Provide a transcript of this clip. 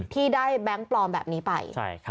ที่ได้แบงค์ปลอมแบบนี้ไป